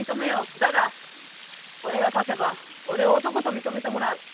だが俺が勝てば俺を男と認めてもらう。